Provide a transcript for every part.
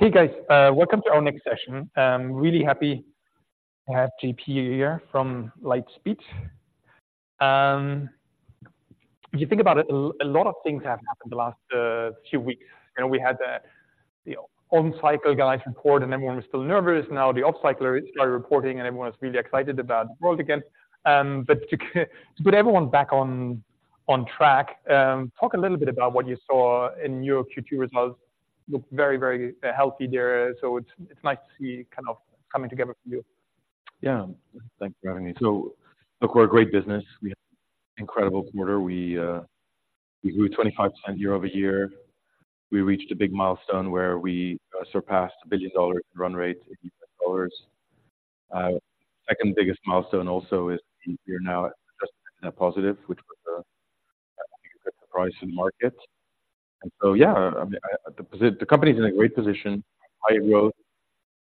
Hey, guys, welcome to our next session. Really happy to have JP here from Lightspeed. If you think about it, a lot of things have happened the last few weeks, and we had the on-cycle guidance report, and everyone was still nervous. Now, the off-cycle is started reporting, and everyone is really excited about the world again. But to put everyone back on track, talk a little bit about what you saw in your Q2 results. Looked very, very healthy there, so it's nice to see kind of coming together for you. Yeah. Thanks for having me. So look, we're a great business. We have incredible quarter. We, we grew 25% year-over-year. We reached a big milestone where we, surpassed $1 billion in run rate in U.S. dollars. Second biggest milestone also is we're now adjusted EBITDA positive, which was, I think, a surprise to the market. And so, yeah, I mean, the company's in a great position, high growth,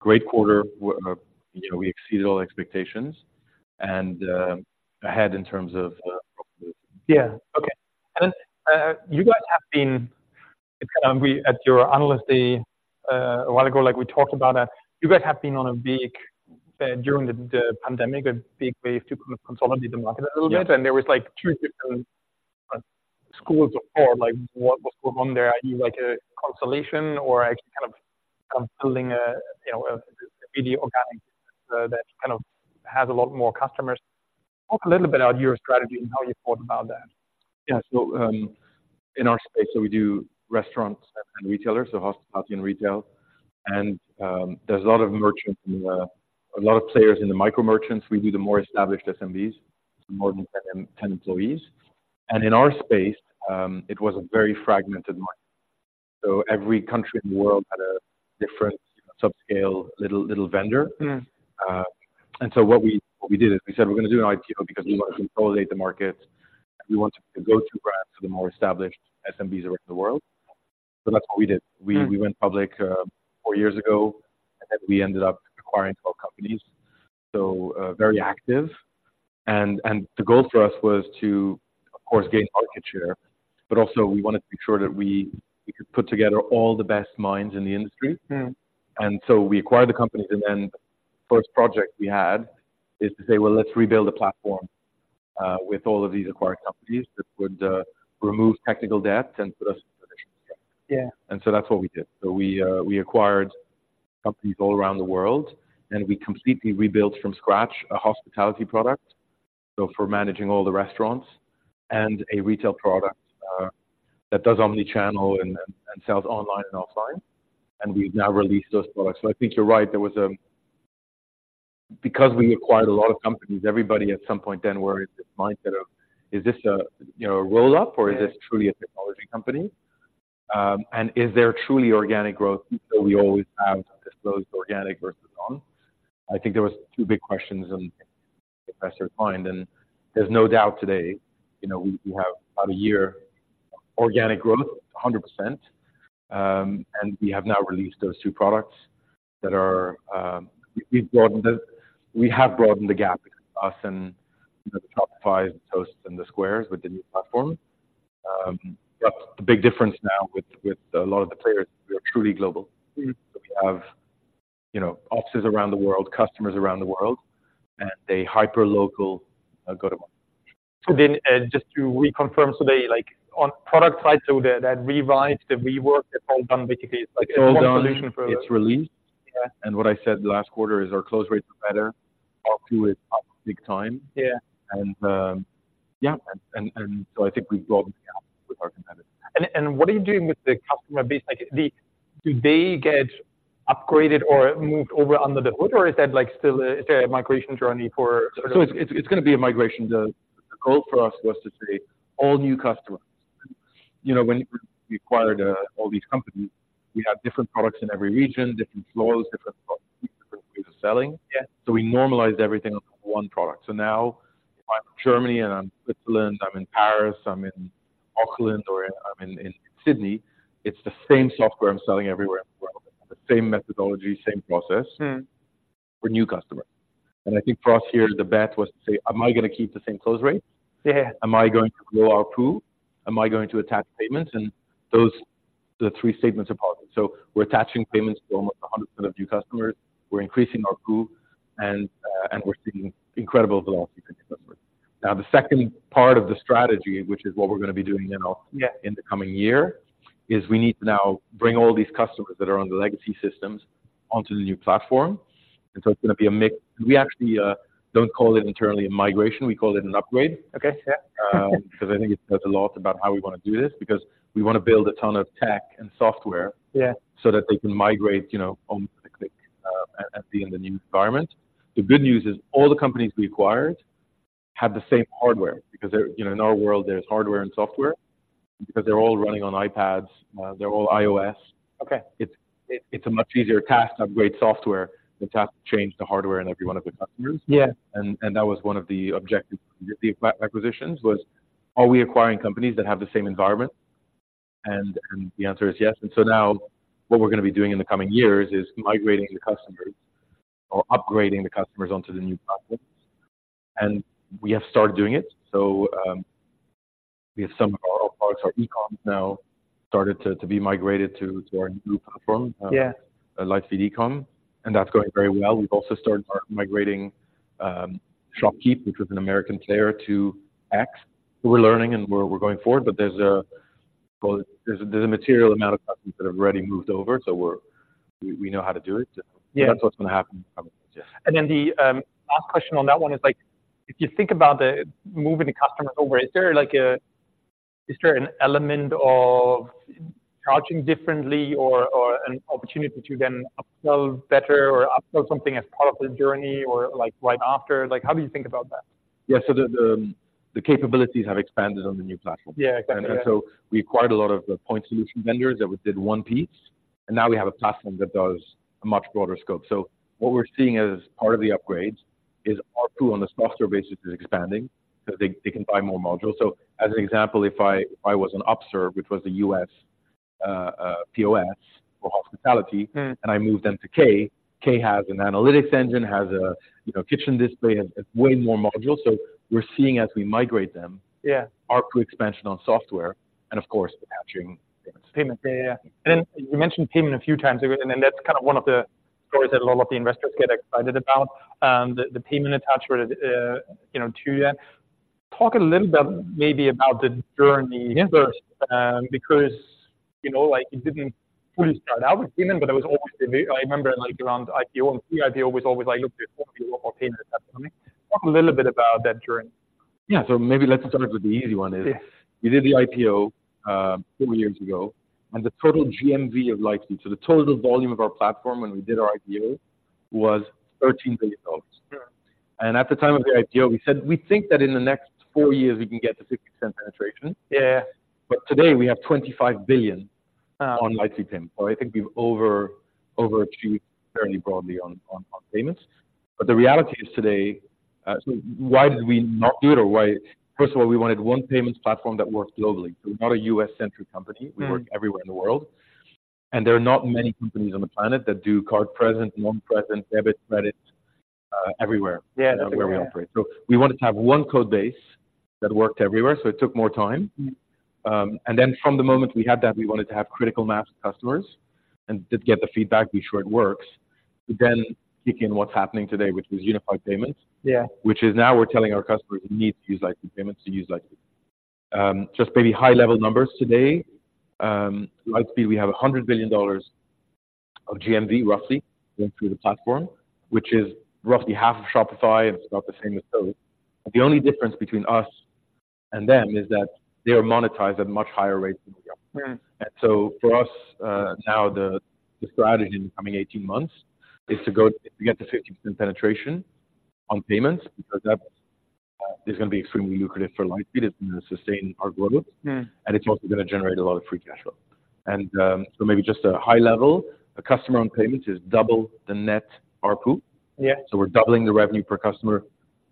great quarter. You know, we exceeded all expectations and, ahead in terms of profits. Yeah. Okay. And you guys have been, it's at your analyst day a while ago, like, we talked about you guys have been on a big during the pandemic a big wave to kind of consolidate the market a little bit. Yeah. There was, like, two different schools of thought, like, what was going on there, either like a consolidation or actually kind of building a, you know, a Veeqo that kind of has a lot more customers. Talk a little bit about your strategy and how you thought about that. Yeah. So, in our space, so we do restaurants and retailers, so hospitality and retail, and, there's a lot of merchants in the, a lot of players in the micro merchants. We do the more established SMBs, more than 10 employees. And in our space, it was a very fragmented market. So every country in the world had a different subscale, little vendor. Mm-hmm. What we did is we said: We're gonna do an IPO because we want to consolidate the market. We want to be the go-to brand for the more established SMBs around the world. So that's what we did. We went public four years ago, and then we ended up acquiring 12 companies, so very active. And the goal for us was to, of course, gain market share, but also we wanted to make sure that we could put together all the best minds in the industry. Mm. We acquired the companies, and then the first project we had is to say, well, let's rebuild a platform with all of these acquired companies that would remove technical debt and put us in a position. Yeah. That's what we did. So we acquired companies all around the world, and we completely rebuilt from scratch a hospitality product, so for managing all the restaurants, and a retail product, that does Omnichannel and sells online and offline, and we've now released those products. So I think you're right, there was a... Because we acquired a lot of companies, everybody at some point then were in this mindset of, is this a, you know, a roll-up- Yeah Or is this truly a technology company? And is there truly organic growth? So we always have disclosed organic versus non. I think there was two big questions, and as you're finding, there's no doubt today, you know, we have about a year organic growth, 100%, and we have now released those two products that are... We have broadened the gap between us and the top five, Toast and Square with the new platform. But the big difference now with a lot of the players, we are truly global. Mm. We have, you know, offices around the world, customers around the world, and a hyper-local go-to-market. Then, just to reconfirm, so the, like, on product side, so the, that revise, the rework, that's all done, basically, it's like It's all done. It's released. Yeah. What I said last quarter is our close rates are better. Our pool is up big time. Yeah. Yeah, so I think we've broadened the gap with our competitors. What are you doing with the customer base? Like, the, do they get upgraded or moved over under the hood, or is that, like, still, is it a migration journey for It's gonna be a migration. The goal for us was to say, all new customers. You know, when we acquired all these companies, we had different products in every region, different flows, different products, different ways of selling. Yeah. We normalized everything on one product. So now, if I'm from Germany and I'm Switzerland, I'm in Paris, I'm in Auckland, or I'm in Sydney, it's the same software I'm selling everywhere in the world, the same methodology, same process- Mm. For new customers. I think for us here, the bet was to say, Am I gonna keep the same close rate? Yeah. Am I going to grow our pool? Am I going to attach payments? And those are the three statements are positive. So we're attaching payments to almost 100% of new customers, we're increasing our pool, and, and we're seeing incredible loyalty for new customers. Now, the second part of the strategy, which is what we're gonna be doing in, Yeah In the coming year, is we need to now bring all these customers that are on the legacy systems onto the new platform. So it's gonna be a mix. We actually don't call it internally a migration, we call it an upgrade. Okay. Yeah. Because I think it says a lot about how we want to do this, because we want to build a ton of tech and software- Yeah So that they can migrate, you know, home, click, and be in the new environment. The good news is all the companies we acquired have the same hardware, because, you know, in our world, there's hardware and software, because they're all running on iPads, they're all iOS. Okay. It's a much easier task to upgrade software than to have to change the hardware in every one of the customers. Yeah. That was one of the objectives of the acquisitions: Are we acquiring companies that have the same environment? And the answer is yes. And so now what we're gonna be doing in the coming years is migrating the customers or upgrading the customers onto the new platform, and we have started doing it. So we have some of our products, our eCom now started to be migrated to our new platform. Yeah. Lightspeed eCom, and that's going very well. We've also started migrating ShopKeep, which is an American player, to X. We're learning and we're going forward, but well, there's a material amount of customers that have already moved over, so we know how to do it. Yeah. That's what's going to happen. Then the last question on that one is like, if you think about moving the customer over, is there like an element of charging differently or an opportunity to then upsell better or upsell something as part of the journey or like right after? Like, how do you think about that? Yeah, so the capabilities have expanded on the new platform. Yeah, exactly. We acquired a lot of the point solution vendors that we did one piece, and now we have a platform that does a much broader scope. What we're seeing as part of the upgrades is our tool on the software basis is expanding, so they, they can buy more modules. As an example, if I, if I was an Upserve, which was a U.S. POS for hospitality and I moved them to K. K has an analytics engine, has a, you know, kitchen display, has way more modules. So we're seeing as we migrate them- Yeah ARPU expansion on software, and of course, attaching payments. Payment. Yeah, yeah. And then you mentioned payment a few times, and then that's kind of one of the stories that a lot of the investors get excited about, the payment attachment, you know, to that. Talk a little bit maybe about the journey because, you know, like it didn't fully start out with payment, but it was always the big, I remember like around IPO, and the IPO was always like, look, there's probably a lot more payment. Talk a little bit about that journey. Yeah. So maybe let's start with the easy one is- Yeah. We did the IPO four years ago, and the total GMV of Lightspeed, so the total volume of our platform when we did our IPO, was $13 billion. Sure. At the time of the IPO, we said, we think that in the next four years, we can get to 60% penetration. Yeah. Today, we have $25 billion- Wow! On Lightspeed Payments. So I think we've overachieved fairly broadly on payments. But the reality is today, so why did we not do it, or why—First of all, we wanted one payments platform that worked globally. So we're not a U.S.-centric company-Mm. We work everywhere in the world, and there are not many companies on the planet that do card present, not present, debit, credit, everywhere- Yeah Where we operate. So we wanted to have one code base that worked everywhere, so it took more time. And then from the moment we had that, we wanted to have critical mass customers and to get the feedback, be sure it works. But then kick in what's happening today, which was unified payments. Yeah. Which is now we're telling our customers, "You need to use Lightspeed Payments, to use Lightspeed." Just maybe high-level numbers today, Lightspeed, we have $100 billion of GMV, roughly, going through the platform, which is roughly half of Shopify, and it's about the same as those. The only difference between us and them is that they are monetized at a much higher rate than we are. Mm. For us, now the strategy in the coming 18 months is to get to 50% penetration on payments, because that is gonna be extremely lucrative for Lightspeed, it's gonna sustain our growth. Mm. It's also gonna generate a lot of free cash flow. So maybe just a high level, a customer on payments is double the net ARPU. Yeah. We're doubling the revenue per customer,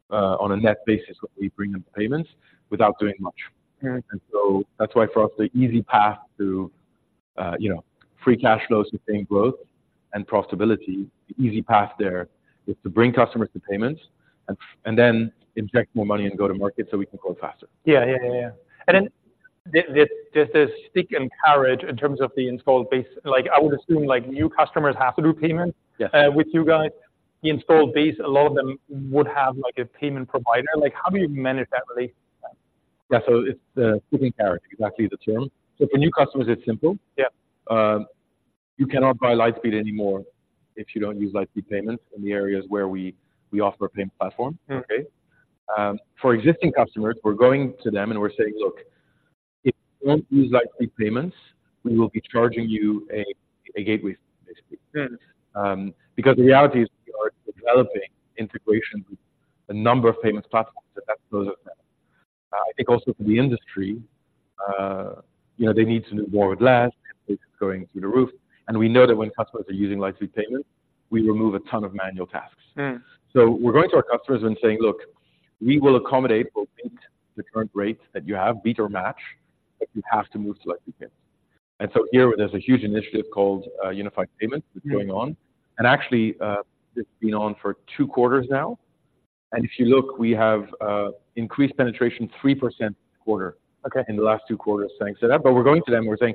on a net basis when we bring them payments without doing much. And so that's why for us, the easy path to, you know, free cash flows, sustained growth, and profitability, the easy path there is to bring customers to payments and, and then inject more money and go to market so we can grow faster. Yeah, yeah, yeah. And then there, there's this stickiness and carriage in terms of the installed base. Like, I would assume, like, new customers have to do payment- Yes With you guys. The installed base, a lot of them would have, like, a payment provider. Like, how do you manage that relationship? Yeah, so it's stick and carriage, exactly the term. So for new customers, it's simple. Yeah. You cannot buy Lightspeed anymore if you don't use Lightspeed Payments in the areas where we offer a payment platform. Okay? For existing customers, we're going to them, and we're saying: Look, if you don't use Lightspeed Payments, we will be charging you a gateway fee, basically. Mm. Because the reality is we are developing integration with a number of payments platforms, and that's most of them. I think also for the industry, you know, they need to do more with less. It's going through the roof, and we know that when customers are using Lightspeed Payments, we remove a ton of manual tasks. Mm. We're going to our customers and saying: Look, we will accommodate or beat the current rate that you have, beat or match, but you have to move to Lightspeed Payments. And so here, there's a huge initiative called unified payments that's going on. Actually, it's been on for two quarters now. If you look, we have increased penetration 3% per quarter- Okay In the last two quarters, thanks to that. But we're going to them, we're saying: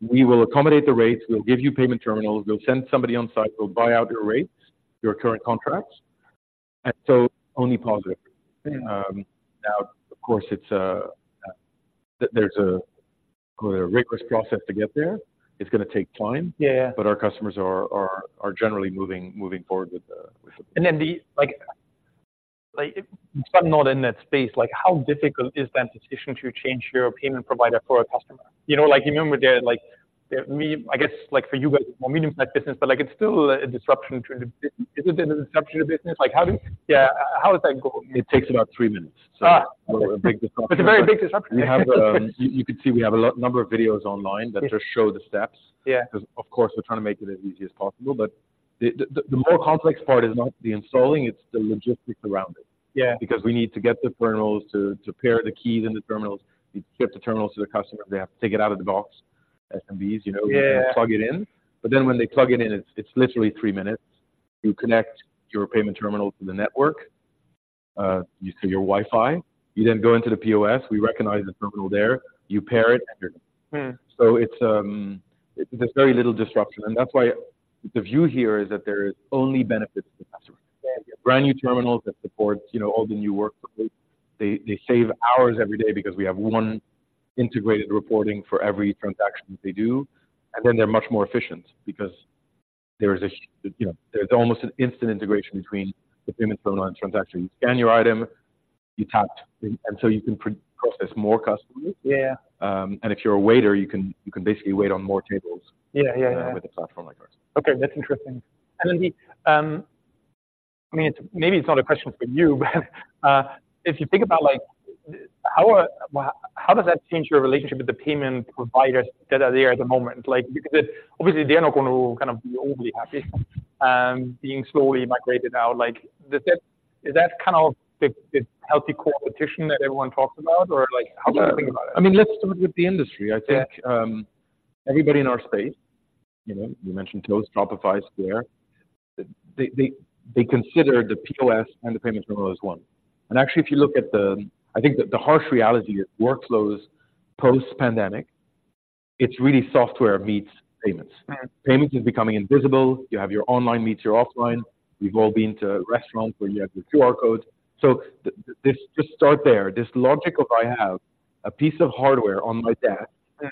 We will accommodate the rates, we'll give you payment terminals, we'll send somebody on site, we'll buy out your rates, your current contracts, and so only positive. Mm. Now, of course, it's. There's a, call it, a rigorous process to get there. It's gonna take time. Yeah, yeah. But our customers are generally moving forward with the- And then the... Like, like if I'm not in that space, like, how difficult is that decision to change your payment provider for a customer? You know, like, you remember there, like, me, I guess, like for you guys, more medium-sized business, but like it's still a disruption to the— Is it a disruption to business? Like, how do— Yeah, how does that go? It takes about three minutes. Ah! A big disruption It's a very big disruption. We have, you could see we have a lot, a number of videos online. Yeah That just show the steps. Yeah. Because, of course, we're trying to make it as easy as possible, but the more complex part is not the installing, it's the logistics around it. Yeah. Because we need to get the terminals to pair the keys in the terminals. We ship the terminals to the customer, they have to take it out of the box, SMBs, you know- Yeah Plug it in. But then when they plug it in, it's, it's literally three minutes.... you connect your payment terminal to the network, you see your Wi-Fi. You then go into the POS, we recognize the terminal there, you pair it, and you're done. Mm. So it's, there's very little disruption, and that's why the view here is that there is only benefits to the customer. Yeah. Brand new terminals that support, you know, all the new workflows. They save hours every day because we have one integrated reporting for every transaction they do, and then they're much more efficient because there is a, you know, there's almost an instant integration between the payment terminal and transaction. You scan your item, you tapped, and so you can process more customers. Yeah. And if you're a waiter, you can, you can basically wait on more tables. Yeah, yeah, yeah With a platform like ours. Okay, that's interesting. And then the, I mean, maybe it's not a question for you, but, if you think about like, how does that change your relationship with the payment providers that are there at the moment? Like, because obviously, they're not going to kind of be overly happy, being slowly migrated out. Like, is that kind of the healthy competition that everyone talks about? Or like, how do you think about it? I mean, let's start with the industry. Yeah. I think, everybody in our space, you know, you mentioned Toast, Shopify, Square, they consider the POS and the payment terminal as one. Actually, if you look at the... I think that the harsh reality is workflows post-pandemic, it's really software meets payments. Mm. Payments is becoming invisible. You have your online meets your offline. We've all been to a restaurant where you have the QR code. So this, just start there, this logic of, I have a piece of hardware on my desk- Mm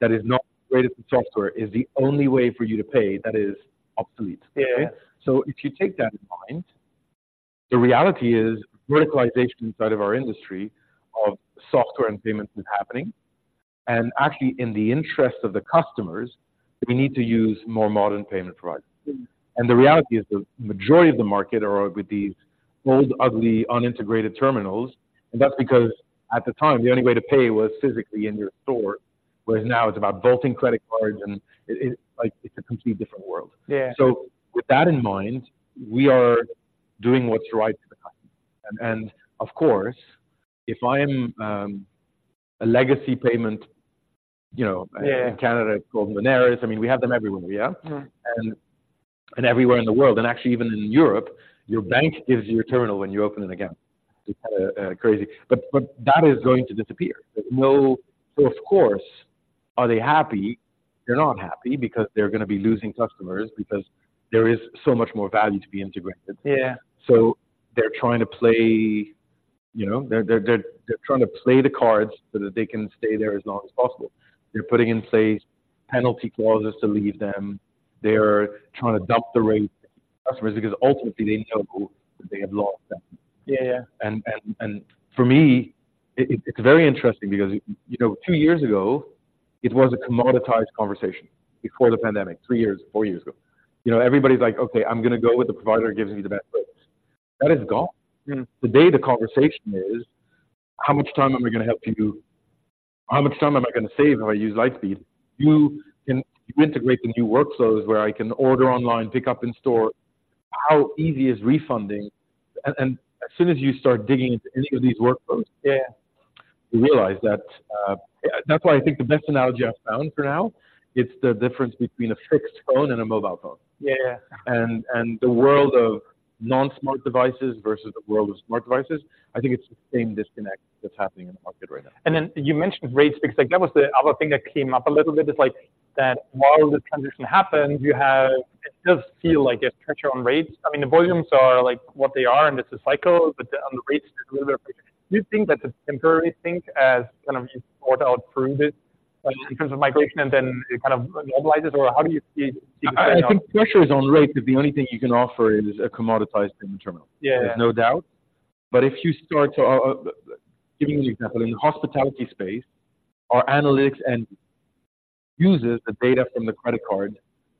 That is not related to software is the only way for you to pay. That is obsolete. Yeah. If you take that in mind, the reality is, verticalization inside of our industry of software and payments is happening, and actually, in the interest of the customers, we need to use more modern payment products. Mm. The reality is the majority of the market are with these old, ugly, unintegrated terminals, and that's because at the time, the only way to pay was physically in your store, whereas now it's about bolting credit cards, and it, like, it's a completely different world. Yeah. So with that in mind, we are doing what's right for the customer. And of course, if I am a legacy payment, you know- Yeah In Canada, it's called Moneris. I mean, we have them everywhere, yeah? Everywhere in the world, and actually, even in Europe, your bank gives you your terminal when you open an account. It's crazy, but that is going to disappear. There's no... of course, are they happy? They're not happy because they're going to be losing customers because there is so much more value to be integrated. Yeah. So they're trying to play, you know, they're trying to play the cards so that they can stay there as long as possible. They're putting in place penalty clauses to leave them. They're trying to dump the rate customers, because ultimately, they know they have lost them. Yeah. And for me, it's very interesting because, you know, two years ago, it was a commoditized conversation before the pandemic, three years, four years ago. You know, everybody's like: "Okay, I'm going to go with the provider who gives me the best rates." That is gone. Mm. Today, the conversation is: How much time am I going to help you? How much time am I going to save if I use Lightspeed? You can integrate the new workflows where I can order online, pick up in store. How easy is refunding? And as soon as you start digging into any of these workflows- Yeah You realize that, that's why I think the best analogy I've found for now, it's the difference between a fixed phone and a mobile phone. Yeah. And the world of non-smart devices versus the world of smart devices, I think it's the same disconnect that's happening in the market right now. Then you mentioned rates, because, like, that was the other thing that came up a little bit is like, that while the transition happens, you have, it does feel like a pressure on rates. I mean, the volumes are like what they are, and it's a cycle, but on the rates, do you think that's a temporary thing as kind of it all improves it in terms of migration and then it kind of normalizes, or how do you see this right now? I think pressure is on rate, because the only thing you can offer is a commoditized payment terminal. Yeah. There's no doubt. But if you start to giving you an example, in the hospitality space, our analytics and uses the data from the credit card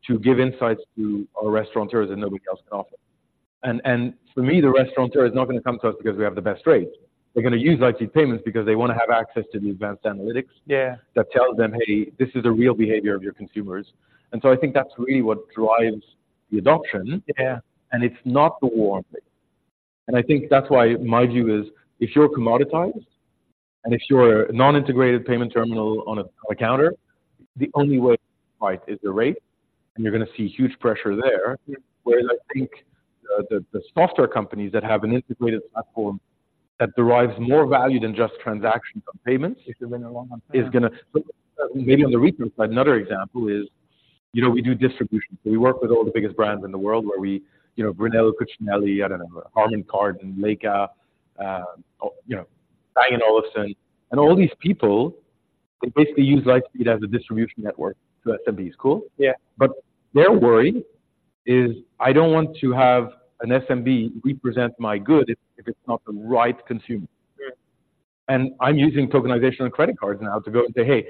to give insights to our restaurateurs that nobody else can offer. And for me, the restaurateur is not going to come to us because we have the best rates. They're going to use Lightspeed Payments because they want to have access to the advanced analytics- Yeah That tells them: "Hey, this is a real behavior of your consumers." And so I think that's really what drives the adoption. Yeah. It's not the war on page. I think that's why my view is, if you're commoditized and if you're a non-integrated payment terminal on a, on a counter, the only way, right, is the rate, and you're going to see huge pressure there. Whereas I think the software companies that have an integrated platform that derives more value than just transactions from payments- If you're in a long-term Is gonna, maybe on the retail side, another example is, you know, we do distribution. So we work with all the biggest brands in the world where we, you know, Brunello Cucinelli, I don't know, Harman Kardon and Leica, you know, Bang & Olufsen, and all these people, they basically use Lightspeed as a distribution network to SMBs. Cool? Yeah. But their worry is: I don't want to have an SMB represent my good if it's not the right consumer. Mm. I'm using tokenization and credit cards now to go and say, "Hey,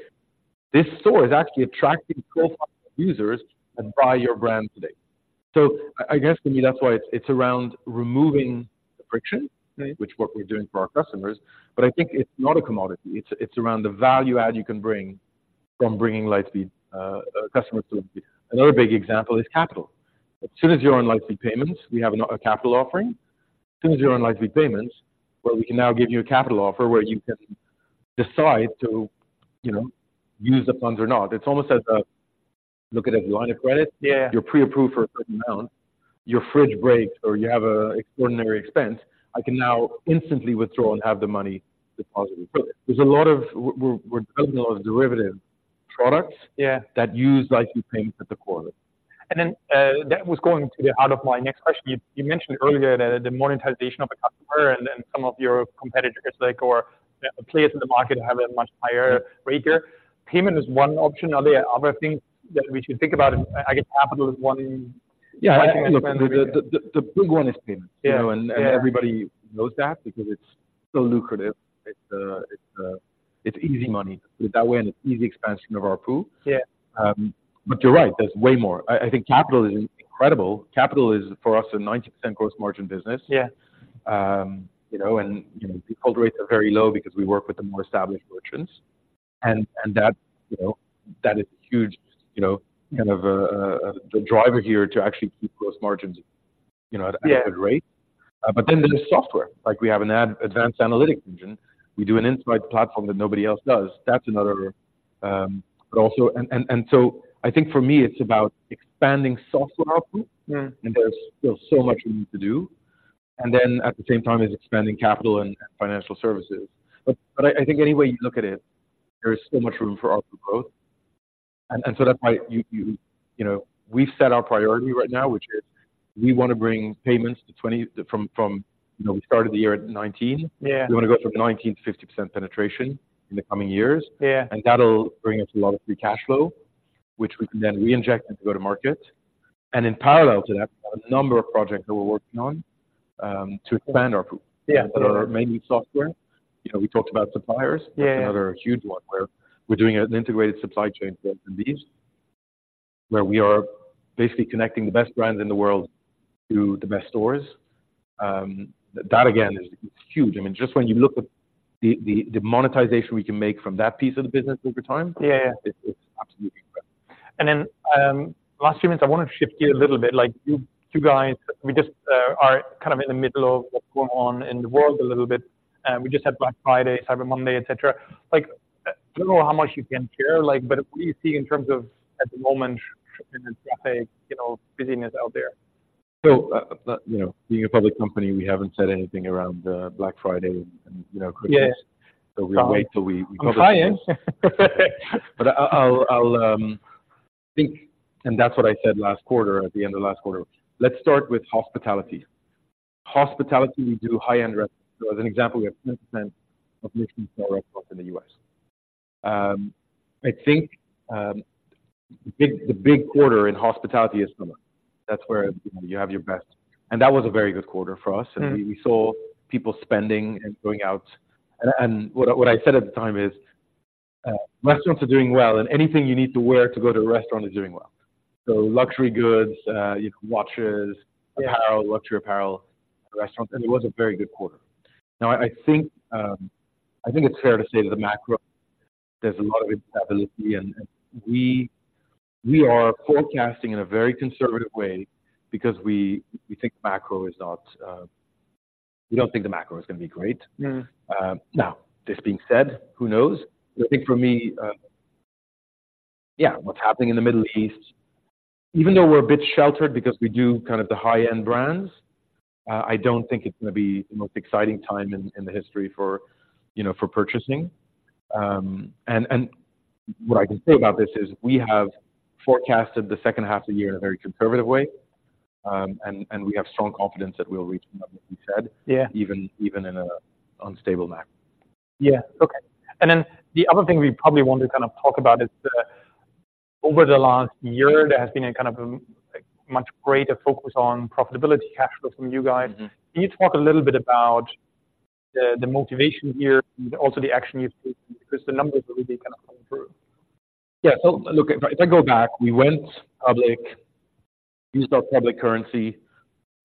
this store is actually attracting profile users that buy your brand today." So I guess to me, that's why it's, it's around removing the friction- Right Which what we're doing for our customers. But I think it's not a commodity, it's, it's around the value add you can bring from bringing Lightspeed customer to them. Another big example is capital. As soon as you're on Lightspeed Payments, we have a, a capital offering.... as soon as you're on Lightspeed Payments, well, we can now give you a capital offer where you can decide to, you know, use the funds or not. It's almost as a, look at it as a line of credit. Yeah. You're pre-approved for a certain amount. Your fridge breaks, or you have an extraordinary expense. I can now instantly withdraw and have the money deposited. So there's a lot of-- we're, we're building a lot of derivative products- Yeah That use Lightspeed Payments at the core of it. And then, that was going to the heart of my next question. You, you mentioned earlier that the monetization of a customer and then some of your competitors, like, or players in the market have a much higher rate here. Payment is one option. Are there other things that we should think about? I guess capital is one Yeah. Look, the big one is payments. Yeah. You know, everybody knows that because it's so lucrative. It's easy money. With that one, it's easy expansion of our pool. Yeah. But you're right, there's way more. I think capital is incredible. Capital is, for us, a 90% gross margin business. Yeah. You know, default rates are very low because we work with the more established merchants, and that, you know, that is huge, you know, kind of the driver here to actually keep gross margins, you know- Yeah .At a good rate. But then there's software. Like, we have an advanced analytics engine. We do an Insights platform that nobody else does. That's another, but also. So I think for me, it's about expanding software output. There's still so much we need to do, and then at the same time, is expanding capital and financial services. But I think any way you look at it, there is so much room for output growth. And so that's why you... You know, we've set our priority right now, which is we want to bring payments to 20-- from, from, you know, we started the year at 19. Yeah. We want to go from 19% to 50% penetration in the coming years. Yeah. That'll bring us a lot of free cash flow, which we can then reinject it to go to market. In parallel to that, a number of projects that we're working on to expand our group. Yeah. That are mainly software. You know, we talked about suppliers. Yeah. That's another huge one where we're doing an integrated supply chain for these, where we are basically connecting the best brands in the world to the best stores. That, again, is huge. I mean, just when you look at the monetization we can make from that piece of the business over time- Yeah It's absolutely incredible. And then, last few minutes, I want to shift gear a little bit. Like, you, you guys, we just, are kind of in the middle of what's going on in the world a little bit, and we just had Black Friday, Cyber Monday, et cetera. Like, I don't know how much you can share, like, but what do you see in terms of at the moment in the traffic, you know, busyness out there? So, you know, being a public company, we haven't said anything around Black Friday and, you know, Christmas. Yeah. So we'll wait till we publish I'm trying. But I'll think, and that's what I said last quarter, at the end of last quarter. Let's start with hospitality. Hospitality, we do high-end restaurant. So as an example, we have 20% of Michelin star up in the U.S. I think the big quarter in hospitality is summer. That's where, you know, you have your best... That was a very good quarter for us. Mm. We saw people spending and going out, and what I said at the time is, restaurants are doing well, and anything you need to wear to go to a restaurant is doing well. So luxury goods, you know, watches- Yeah Apparel, luxury apparel, restaurants, and it was a very good quarter. Now, I think it's fair to say that the macro, there's a lot of instability, and we are forecasting in a very conservative way because we think macro is not, we don't think the macro is going to be great. Mm. Now, this being said, who knows? I think for me, yeah, what's happening in the Middle East, even though we're a bit sheltered because we do kind of the high-end brands, I don't think it's going to be the most exciting time in the history for, you know, for purchasing. And what I can say about this is we have forecasted the second half of the year in a very conservative way, and we have strong confidence that we'll reach what we said- Yeah Even in an unstable macro. Yeah. Okay. And then the other thing we probably want to kind of talk about is the, over the last year, there has been a kind of much greater focus on profitability, cash flow from you guys. Mm-hmm. Can you talk a little bit about the motivation here and also the action you've taken? Because the numbers are really kind of coming through. Yeah. Look, if I go back, we went public, used our public currency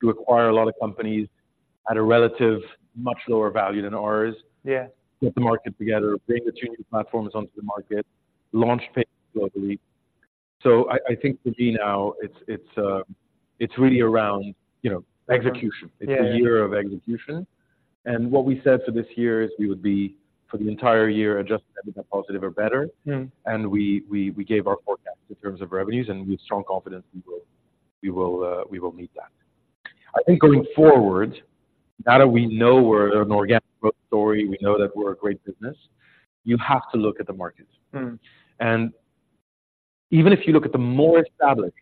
to acquire a lot of companies at a relatively much lower value than ours. Yeah. Get the market together, bring the two new platforms onto the market, launch payments globally. So I, I think for me now, it's, it's, it's really around, you know, execution. Yeah. It's a year of execution, and what we said for this year is we would be, for the entire year, Adjusted EBITDA positive or better. Mm. We gave our forecast in terms of revenues, and we have strong confidence we will meet that. I think going forward, now that we know we're an organic growth story, we know that we're a great business, you have to look at the markets. Mm. Even if you look at the more established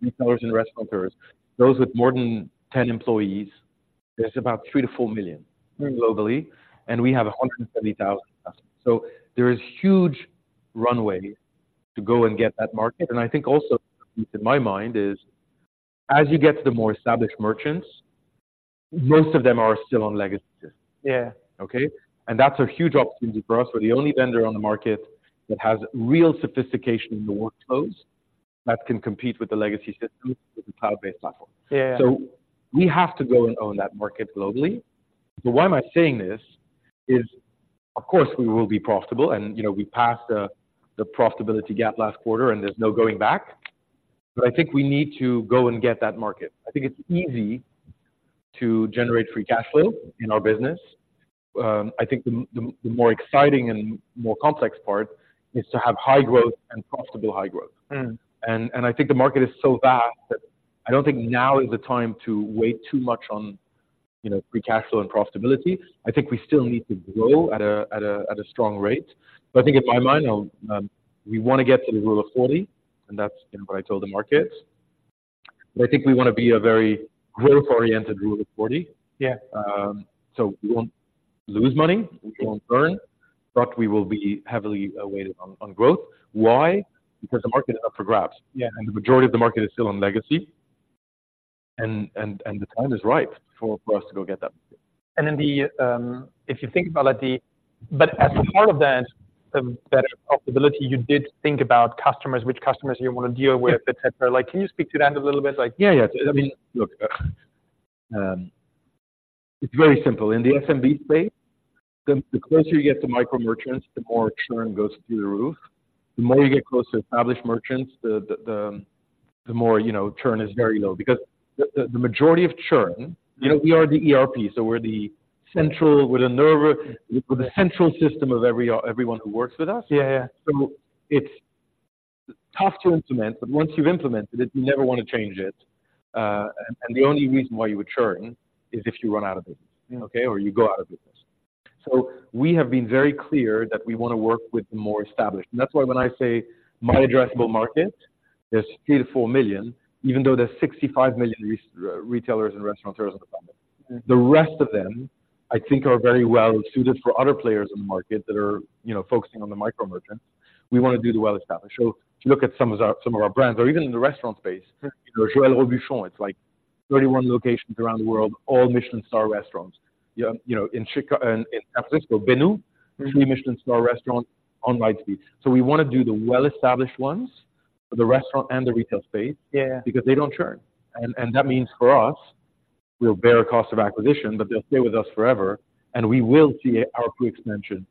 retailers and restaurateurs, those with more than 10 employees, there's about 3,000,000-4,000,000- Mm Globally, and we have 170,000 customers. So there is huge runway to go and get that market, and I think also, in my mind is, as you get to the more established merchants, most of them are still on legacy systems. Yeah. Okay? And that's a huge opportunity for us. We're the only vendor on the market that has real sophistication in the workflows that can compete with the legacy systems with the cloud-based platform. Yeah. So we have to go and own that market globally. But why am I saying this?... is, of course, we will be profitable, and, you know, we passed the profitability gap last quarter, and there's no going back. But I think we need to go and get that market. I think it's easy to generate free cash flow in our business. I think the more exciting and more complex part is to have high growth and profitable high growth. Mm. I think the market is so vast that I don't think now is the time to wait too much on, you know, free cash flow and profitability. I think we still need to grow at a strong rate. But I think in my mind, we want to get to the Rule of Forty, and that's, you know, what I told the market. But I think we want to be a very growth-oriented Rule of Forty. Yeah. So we won't lose money- Sure. We won't earn, but we will be heavily weighted on growth. Why? Because the market is up for grabs. Yeah. The majority of the market is still on legacy, and the time is right for us to go get that. And then, if you think about it, but as a part of that, better profitability, you did think about customers, which customers you want to deal with, et cetera. Like, can you speak to that a little bit, like? Yeah, yeah. I mean, look, it's very simple. In the SMB space, the closer you get to micro merchants, the more churn goes through the roof. The more you get close to established merchants, the more, you know, churn is very low. Because the majority of churn. You know, we are the ERP, so we're the central, we're the nerve, we're the central system of everyone who works with us. Yeah, yeah. So it's tough to implement, but once you've implemented it, you never want to change it. The only reason why you would churn is if you run out of business. Yeah. Okay? Or you go out of business. So we have been very clear that we want to work with the more established. And that's why when I say my addressable market, there's 3,000,000-4,000,000, even though there's 65,000,000 retailers and restaurateurs on the planet. The rest of them, I think, are very well suited for other players in the market that are, you know, focusing on the micro merchants. We want to do the well-established. So if you look at some of our, some of our brands, or even in the restaurant space- Mm. Joël Robuchon, it's like 31 locations around the world, all Michelin star restaurants. You know, you know, in San Francisco, Benu- Mm-hmm. Three Michelin star restaurant on Lightspeed. So we want to do the well-established ones, the restaurant and the retail space- Yeah. Because they don't churn. And that means for us, we'll bear cost of acquisition, but they'll stay with us forever, and we will see our full extension,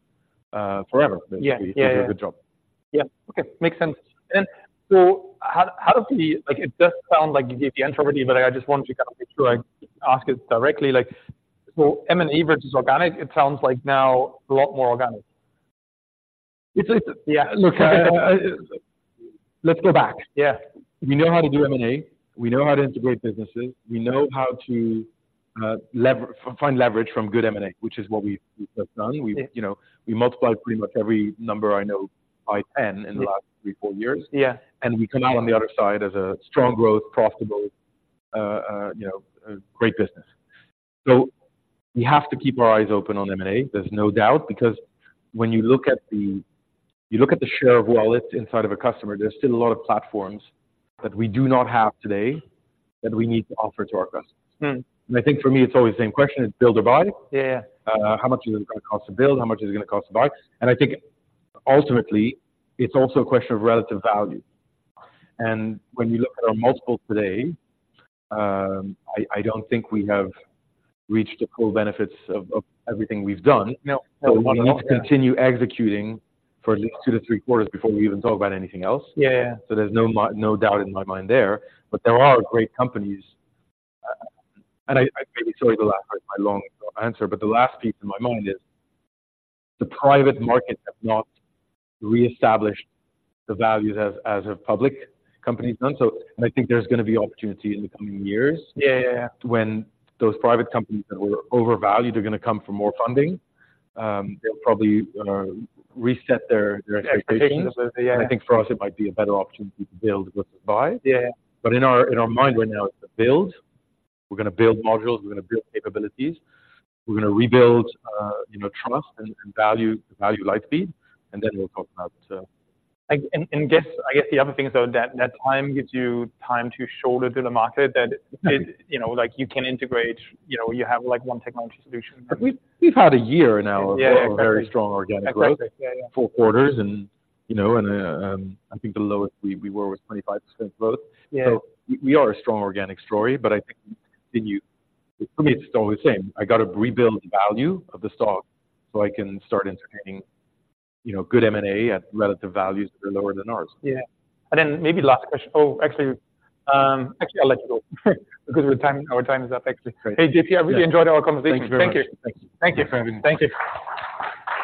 forever. Yeah, yeah. Basically, do a good job. Yeah. Okay, makes sense. And so how does the... Like, it does sound like you gave the intro already, but I just wanted to make sure I ask it directly. Like, so M&A versus organic, it sounds like now it's a lot more organic. It's, it- Yeah. Look, let's go back. Yeah. We know how to do M&A, we know how to integrate businesses, we know how to find leverage from good M&A, which is what we, we have done. Yeah. We, you know, we multiplied pretty much every number I know by 10 in the last three, four years. Yeah. We come out on the other side as a strong growth, profitable, you know, a great business. So we have to keep our eyes open on M&A. There's no doubt, because when you look at the share of wallet inside of a customer, there's still a lot of platforms that we do not have today that we need to offer to our customers. Mm. I think for me, it's always the same question: it's build or buy? Yeah, yeah. How much is it gonna cost to build? How much is it gonna cost to buy? And I think ultimately, it's also a question of relative value. When you look at our multiples today, I don't think we have reached the full benefits of everything we've done. No. So we need to continue executing for at least two, three quarters before we even talk about anything else. Yeah, yeah. So there's no doubt in my mind there, but there are great companies. And I may be sorry the last my long answer, but the last piece in my mind is, the private markets have not reestablished the values as a public company has done. So and I think there's gonna be opportunity in the coming years. Yeah, yeah. When those private companies that were overvalued are gonna come for more funding, they'll probably reset their expectations. Expectations, yeah. I think for us, it might be a better opportunity to build versus buy. Yeah. But in our mind right now, it's the build. We're gonna build modules, we're gonna build capabilities, we're gonna rebuild, you know, trust and value Lightspeed, and then we'll talk about. I guess the other thing, though, that time gives you time to show to the market that you know, like you can integrate, you know, you have like one technology solution. We've had a year now- Yeah. Of very strong organic growth. Exactly, yeah, yeah. Four quarters, and you know, and, I think the lowest we were was 25% growth. Yeah. So we are a strong organic story, but I think we continue... For me, it's still the same. I got to rebuild the value of the stock, so I can start entertaining, you know, good M&A at relative values that are lower than ours. Yeah. And then maybe last question. Oh, actually, actually, I'll let you go. Because our time, our time is up, actually. Great. Hey, JP, I really enjoyed our conversation. Thank you. Thank you for having me. Thank you.